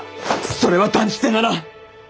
それは断じてならん！